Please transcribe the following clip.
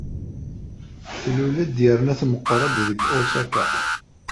Tlul-d yerna tmeqqeṛ-d deg Osaka.